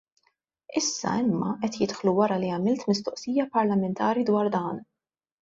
Issa imma qed jidħlu wara li għamilt mistoqsija parlamentari dwar dan.